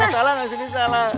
tidak salah gak sih ini salah